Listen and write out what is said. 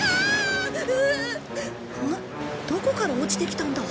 どこから落ちてきたんだ？